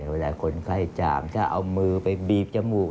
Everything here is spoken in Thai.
เวลาคนไข้จามถ้าเอามือไปบีบจมูก